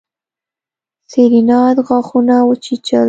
سېرېنا غاښونه وچيچل.